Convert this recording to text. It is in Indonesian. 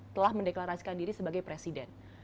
telah mendeklarasikan diri sebagai presiden